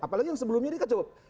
apalagi yang sebelumnya ini kecut